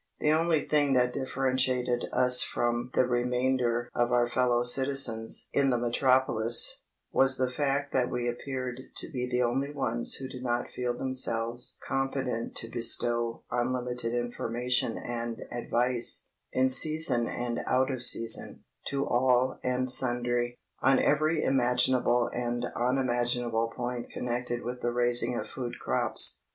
The only thing that differentiated us from the remainder of our fellow citizens in the Metropolis, was the fact that we appeared to be the only ones who did not feel themselves competent to bestow unlimited information and advice, in season and out of season, to all and sundry, on every imaginable and unimaginable point connected with the raising of food crops.